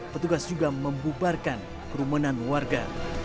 petugas juga membubarkan kerumunan warga